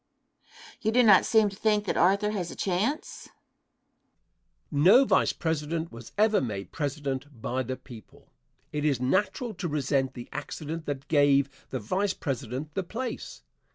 Question. You do not seem to think that Arthur has a chance? Answer. No Vice President was ever made President by the people. It is natural to resent the accident that gave the Vice President the place.